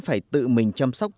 phải tự mình chăm sóc tự nhiên